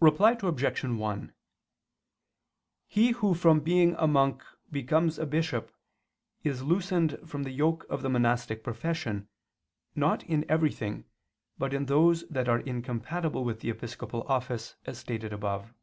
Reply Obj. 1: He who from being a monk becomes a bishop is loosened from the yoke of the monastic profession, not in everything, but in those that are incompatible with the episcopal office, as stated above.